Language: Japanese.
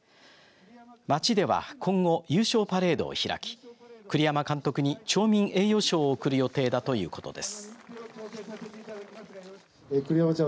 町では今後、優勝パレードを開き栗山監督に町民栄誉賞を贈る予定だということです。